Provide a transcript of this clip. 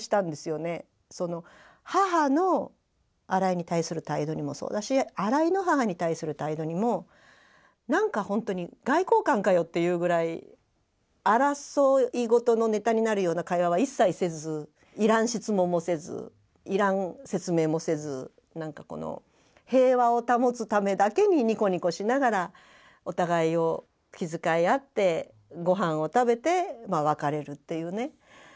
母の荒井に対する態度にもそうだし荒井の母に対する態度にも何かほんとに外交官かよっていうぐらい争いごとのネタになるような会話は一切せずいらん質問もせずいらん説明もせず平和を保つためだけにニコニコしながらお互いを気遣い合ってごはんを食べて別れるっていうね。